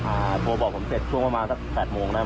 โทรบอกผมเสร็จช่วงประมาณสักแปดโมงนะครับ